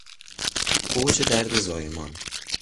اوج درد زایمان